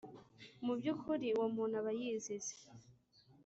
mu by ukuri uwo muntu aba yizize